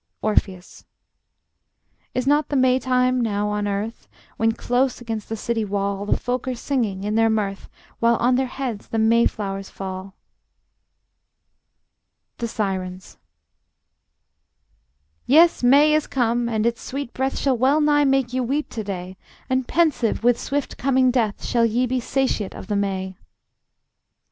Orpheus: Is not the May time now on earth, When close against the city wall The folk are singing in their mirth, While on their heads the May flowers fall? The Sirens: Yes, May is come, and its sweet breath Shall well nigh make you weep to day, And pensive with swift coming death Shall ye be satiate of the May.